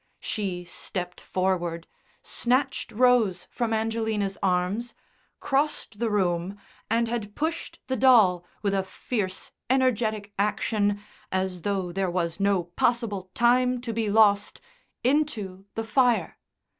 She stepped forward, snatched Rose from Angelina's arms, crossed the room and had pushed the doll, with a fierce, energetic action, as though there was no possible time to be lost, into the fire.